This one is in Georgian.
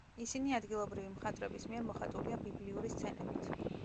ისინი ადგილობრივი მხატვრების მიერ მოხატულია ბიბლიური სცენებით.